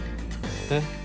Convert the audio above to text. えっ？